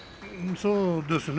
そうですね。